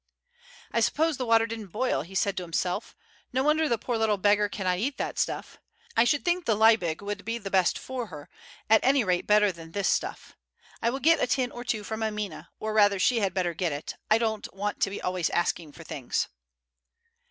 "I suppose the water didn't boil," he said to himself. "No wonder the poor little beggar cannot eat that stuff. I should think the Liebig would be the best for her, at any rate better than this stuff. I will get a tin or two from Amina, or rather she had better get it; I don't want to be always asking for things."